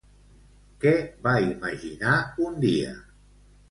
Què va imaginar un dia?